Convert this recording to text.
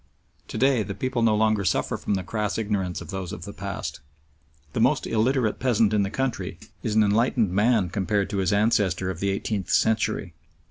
To day the people no longer suffer from the crass ignorance of those of the past. The most illiterate peasant in the country is an enlightened man compared to his ancestor of the eighteenth century.